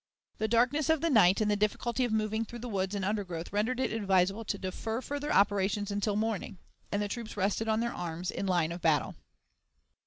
The darkness of the night and the difficulty of moving through the woods and undergrowth rendered it advisable to defer further operations until morning, and the troops rested on their arms in line of battle.